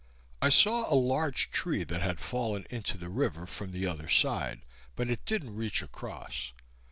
I saw a large tree that had fallen into the river from the other side, but it didn't reach across.